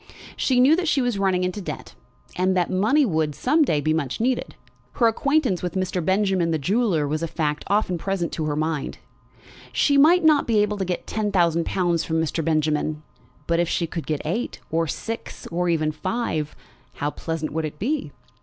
She knew that she was running into debt, and that money would, some day, be much needed. Her acquaintance with Mr. Benjamin, the jeweller, was a fact often present to her mind. She might not be able to get ten thousand pounds from Mr. Benjamin; but if she could get eight, or six, or even five, how pleasant would it be!